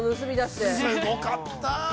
◆すごかったぁ。